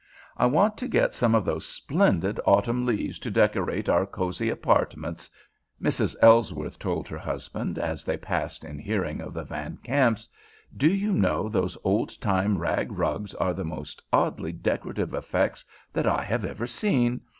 "I want to get some of those splendid autumn leaves to decorate our cozy apartments," Mrs. Ellsworth told her husband as they passed in hearing of the Van Kamps. "Do you know those old time rag rugs are the most oddly decorative effects that I have ever seen.